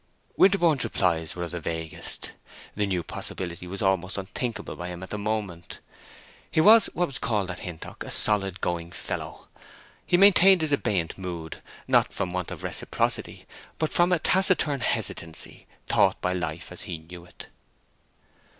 Winterborne's replies were of the vaguest. The new possibility was almost unthinkable by him at the moment. He was what was called at Hintock "a solid going fellow;" he maintained his abeyant mood, not from want of reciprocity, but from a taciturn hesitancy, taught by life as he knew it.